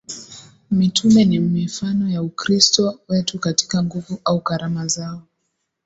Mitume ni mifano ya Ukristo wetu katika nguvu au karama zao